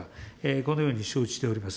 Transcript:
このように承知しております。